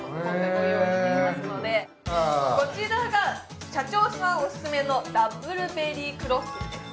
ご用意していますのでこちらが社長さんオススメのダブルベリークロッフルです